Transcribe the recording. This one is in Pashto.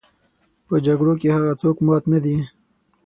په جګړو کې هغه څوک مات نه دي.